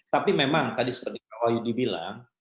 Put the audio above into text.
tapi memang tadi seperti pak wahyudi bilang